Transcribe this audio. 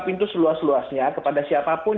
pintu seluas luasnya kepada siapapun